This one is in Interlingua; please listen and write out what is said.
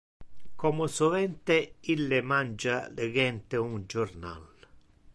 Como sovente, ille mangia legente un jornal.